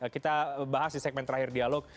kita bahas di segmen terakhir dialog